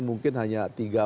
mungkin hanya tiga empat